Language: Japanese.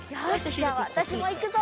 じゃあわたしもいくぞ！